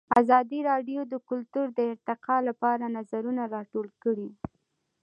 ازادي راډیو د کلتور د ارتقا لپاره نظرونه راټول کړي.